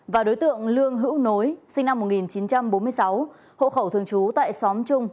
và đối tượng lương hữu nối sinh năm một nghìn chín trăm bốn mươi sáu hộ khẩu thường trú tại xóm trung